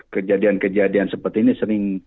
kejadian kejadian seperti ini sering